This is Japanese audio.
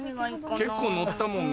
結構乗ったもんね。